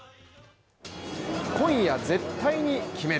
今夜、絶対に決める。